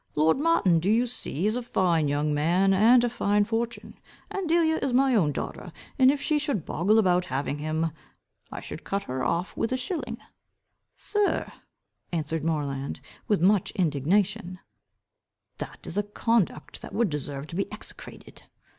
Lord Martin, do you see, is a fine young man, and a fine fortune. And Delia is my own daughter, and if she should boggle about having him, I would cut her off with a shilling." "Sir," answered Moreland, with much indignation, "that is a conduct that would deserve to be execrated.